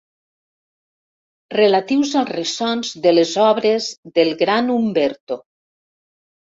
Relatius als ressons de les obres del gran Umberto.